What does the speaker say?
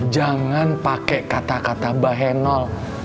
jangan pakai kata kata bahenol